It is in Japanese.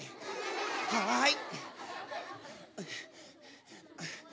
はい！